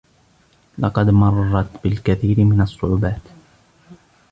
لقد مرَّت بالكثير من الصعوبات.